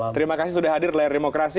terima kasih sudah hadir di layar demokrasi